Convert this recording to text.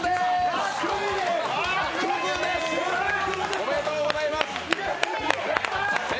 おめでとうございます。